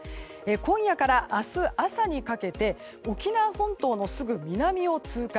今夜から明日朝にかけて沖縄本島のすぐ南を通過。